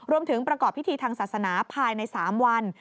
ประกอบพิธีทางศาสนาภายใน๓วัน